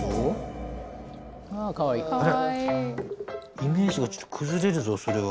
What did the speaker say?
イメージがちょっと崩れるぞそれは。